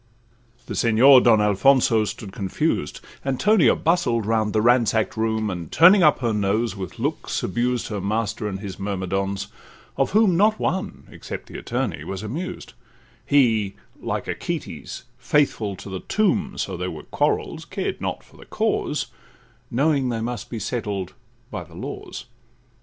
The Senhor Don Alfonso stood confused; Antonia bustled round the ransack'd room, And, turning up her nose, with looks abused Her master and his myrmidons, of whom Not one, except the attorney, was amused; He, like Achates, faithful to the tomb, So there were quarrels, cared not for the cause, Knowing they must be settled by the laws.